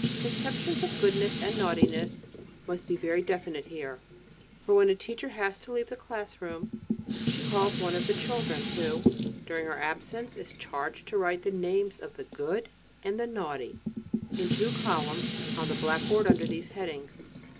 Conceptions of goodness and naughtiness must be very definite here, for when a teacher has to leave the class room, she calls one of the children, who, during her absence, is charged to write the names of the "Good" and the "Naughty" in two columns on the blackboard under these headings.